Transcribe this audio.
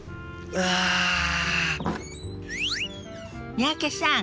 三宅さん